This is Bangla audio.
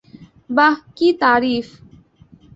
বাঃ, কি তারিফ্!